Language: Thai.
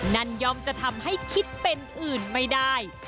นั่นย่อมจะทำให้คิดเป็นอื่นไม่ได้